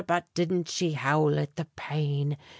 but didn't she howl at the pain!)